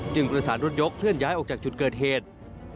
ประสานรถยกเคลื่อย้ายออกจากจุดเกิดเหตุ